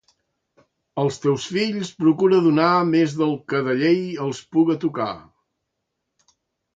Als teus fills procura donar més del que de llei els puga tocar.